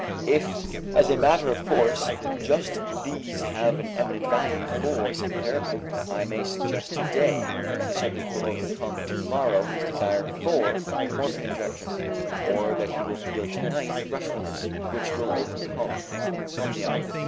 As a matter of course, just these have an eminent value for psychotherapy. I may suggest to day that the subject will overcome to morrow his desire for the morphine injection, or that he will feel to night the restfulness which will overcome his insomnia.